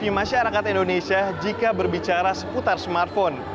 bagi masyarakat indonesia jika berbicara seputar smartphone